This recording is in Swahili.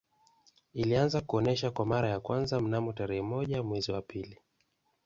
Ilianza kuonesha kwa mara ya kwanza mnamo tarehe moja mwezi wa pili